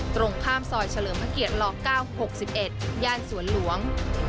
ตรงข้ามซอยเฉลิมพระเกียรติล๙๖๑ย่านสวนหลวง